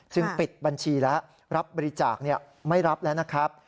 ซึ่งปิดบัญชีแล้วรับบริจาคไม่รับแล้วนะครับ